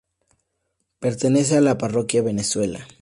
Pertenece a la Parroquia Venezuela.